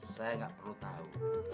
saya gak perlu tahu